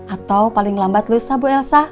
atau paling lambat lusa bu elsa